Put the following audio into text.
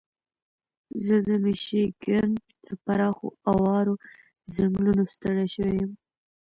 زه د میشیګن له پراخو اوارو ځنګلونو ستړی شوی یم.